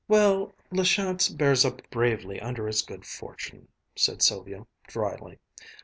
"Well, La Chance bears up bravely under its good fortune," said Sylvia dryly.